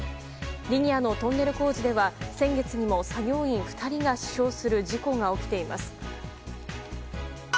リニアのトンネル工事では先月にも作業員２人が死傷する事故が起きています。